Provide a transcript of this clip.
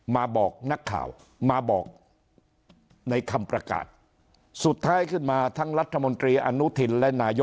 มาบอกนักข่าวมาบอกในคำประกาศสุดท้ายขึ้นมาทั้งรัฐมนตรีอนุทินและนายก